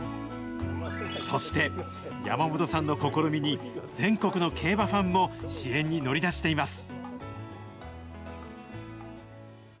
そして、山本さんの試みに、全国の競馬ファンも支援に乗り出しています。